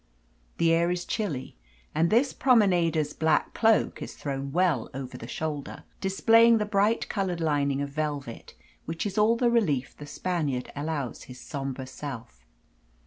The air is chilly, and this promenader's black cloak is thrown well over the shoulder, displaying the bright coloured lining of velvet, which is all the relief the Spaniard allows his sombre self.